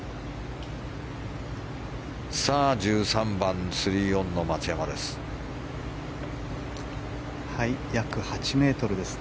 １３番、３オンの松山です。